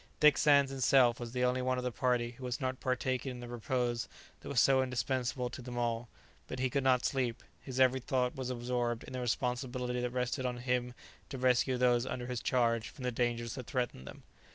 Dick Sands himself was the only one of the party who was not partaking in the repose that was so indispensable to them all; but he could not sleep; his every thought was absorbed in the responsibility that rested on him to rescue those under his charge from the dangers that threatened them.